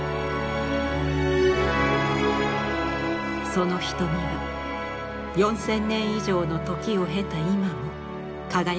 その瞳は４，０００年以上の時を経た今も輝き続けています。